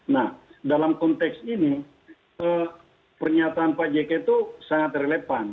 nah dalam konteks ini pernyataan pak jk itu sangat relevan